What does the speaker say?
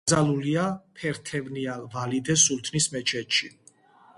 დაკრძალულია ფერთევნიალ ვალიდე სულთნის მეჩეთში.